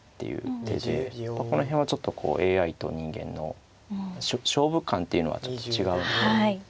この辺はちょっとこうＡＩと人間の勝負観っていうのはちょっと違うんで。